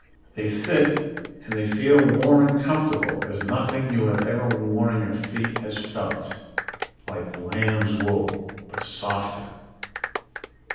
They fit, and they feel warm and comfortable as nothing you have ever worn on your feet has felt. Like lamb's wool, but softer.